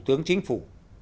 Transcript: thông tin chính phủ